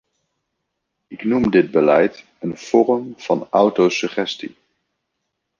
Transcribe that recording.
Ik noem dit beleid een vorm van autosuggestie.